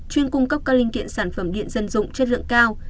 chuyên cung cấp các linh kiện sản phẩm điện dân dụng chất lượng cao